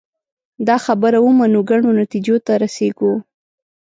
دا خبره ومنو ګڼو نتیجو ته رسېږو